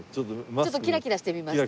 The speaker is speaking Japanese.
ちょっとキラキラしてみました。